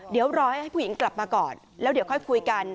เดี๋ยวรอให้ผู้หญิงกลับมาก่อนแล้วเดี๋ยวค่อยคุยกัน